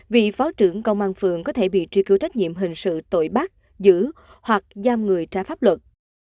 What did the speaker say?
vị phó trưởng công an phường có thể bị truy cứu trách nhiệm hình sự tội bắt giữ hoặc giam người trái pháp luật